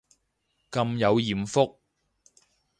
咁有艷福